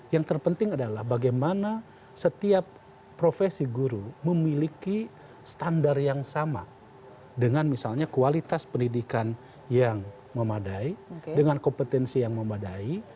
yang terpenting adalah bagaimana setiap profesi guru memiliki standar yang sama dengan misalnya kualitas pendidikan yang memadai dengan kompetensi yang memadai